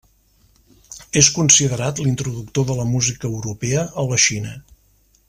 És considerat l'introductor de la música europea a la Xina.